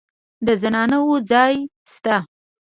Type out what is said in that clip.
د زنانه وو ځای شته.